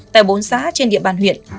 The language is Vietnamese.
tại bốn xá trên địa bàn huyện